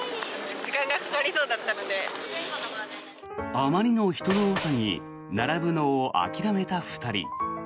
あまりの人の多さに並ぶのを諦めた２人。